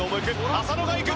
浅野が行く！